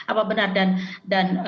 apa benar dan